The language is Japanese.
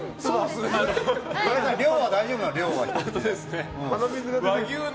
量は大丈夫なの？